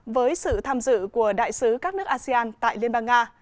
với sự tham dự của đại sứ các nước asean tại liên bang nga